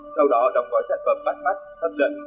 sau đó đóng gói sản phẩm bắt bắt thấp dẫn